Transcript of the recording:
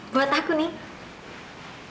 buat aku nih